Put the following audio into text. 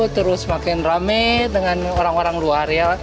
terus semakin rame dengan orang orang luar